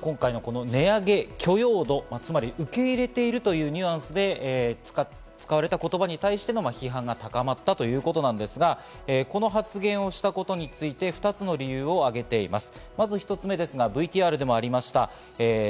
今回のこの値上げ許容度、つまり受け入れているというニュアンスで使われた言葉に対しての批判が高まったということなんですが、この発言をしたことについて、２つの理由を挙げています。